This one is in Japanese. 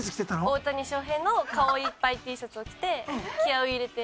大谷翔平の顔いっぱいＴシャツを着て気合を入れて。